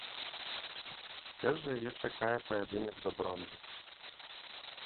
Цяпер жа яе чакае паядынак за бронзу.